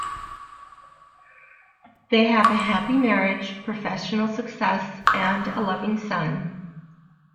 They have a happy marriage, professional success and a loving son.